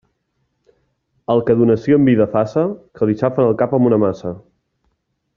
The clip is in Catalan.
El que donació en vida faça, que li xafen el cap amb una maça.